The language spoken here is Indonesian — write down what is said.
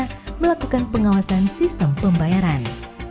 bank indonesia melakukan pengawasan sistem pembayaran